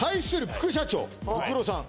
副社長ブクロさん